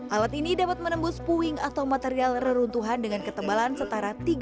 alat ini dapat menembus puing atau material reruntuhan dengan ketebalan setara tiga puluh